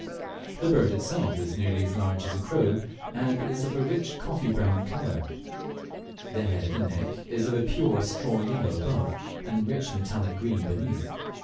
The bird itself is nearly as large as a crow, and is of a rich coffee brown colour. The head and neck is of a pure straw yellow above and rich metallic green beneath.